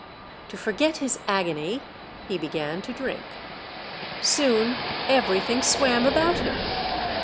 To forget his agony, he began to drink. Soon everything swam about him.